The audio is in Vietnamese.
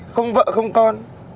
không vợ không con